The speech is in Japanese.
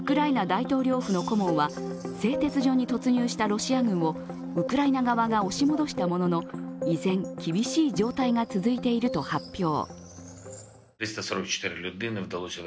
大統領府の顧問は製鉄所に突入したロシア軍をウクライナ側が押し戻したものの依然、厳しい状態が続いていると発表。